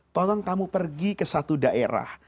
tolong kamu pergi ke satu daerah